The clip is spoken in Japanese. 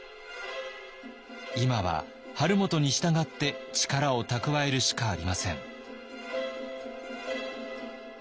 今は晴元に従って力を蓄えるしかありません。